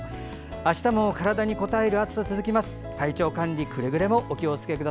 あしたも体にこたえる暑さが続きます。